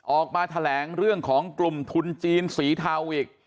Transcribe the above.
ออกมาแถลงเรื่องของกลุ่มทุนจีนสีเทาอีก